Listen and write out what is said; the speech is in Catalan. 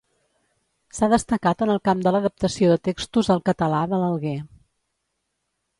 S’ha destacat en el camp de l’adaptació de textos al català de l’Alguer.